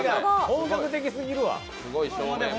本格的すぎるわ。